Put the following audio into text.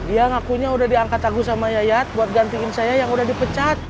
dia ngakunya udah diangkat aku sama yayat buat gantiin saya yang udah dipecat